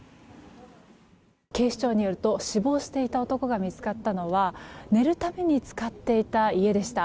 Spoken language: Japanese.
警視庁によると死亡していた男が見つかったのは寝るために使っていた家でした。